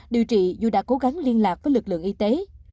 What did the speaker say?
điều trị dù đã cố gắng liên lạc với lực lượng y tế